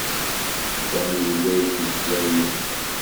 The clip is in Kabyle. Sami yella yettmeslay yid-sen.